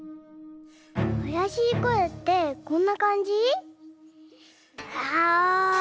あやしいこえってこんなかんじ？